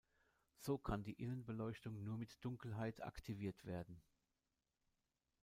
So kann die Innenbeleuchtung nur bei Dunkelheit aktiviert werden.